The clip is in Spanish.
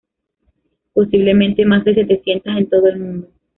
Posiblemente más de setecientas en todo el mundo.